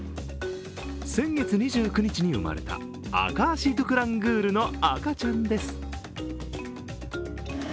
先月２９日に生まれたアカアシドゥクラングールの赤ちゃんです。